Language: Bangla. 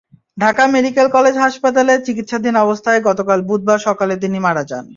ঢাকা মেডিকেল কলেজ হাসপাতালে চিকিৎসাধীন অবস্থায় গতকাল বুধবার সকালে তিনি মারা যান।